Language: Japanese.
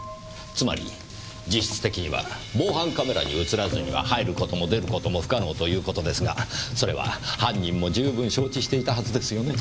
つまり実質的には防犯カメラに映らずには入る事も出る事も不可能という事ですがそれは犯人も十分承知していたはずですよね？